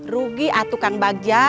rugi atuh kang bagja